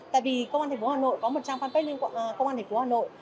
tại vì công an thành phố hà nội có một trang fanpage liên quan công an thành phố hà nội